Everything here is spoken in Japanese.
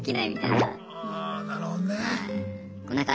あなるほどね。